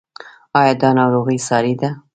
ایا دا ناروغي ساری ده؟